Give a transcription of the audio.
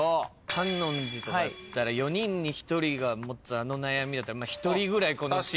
観音寺だったら「４人に１人が持つあの悩み」だったら１人ぐらいこのチームにね。